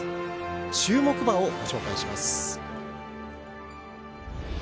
注目馬をご紹介いたします。